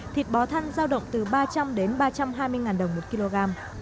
thịt bò thăn giao động từ ba trăm linh ba trăm hai mươi ngàn đồng một kg